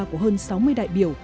của hơn sáu mươi đại biểu